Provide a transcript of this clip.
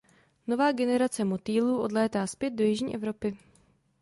Nová generace motýlů odlétá zpět do jižní Evropy.